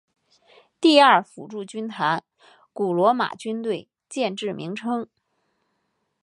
第二辅助军团古罗马军队建制名称。